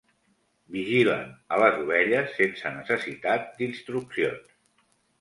Vigilen a les ovelles sense necessitat d'instruccions.